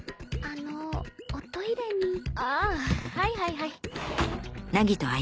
ああはいはいはい。